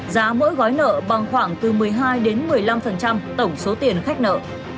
giá mỗi gói nợ bằng khoảng từ một mươi hai đến một mươi năm tổng số tiền khách nợ